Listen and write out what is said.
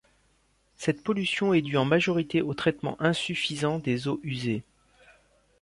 Cette pollution est due en majorité au traitement insuffisant des eaux usées.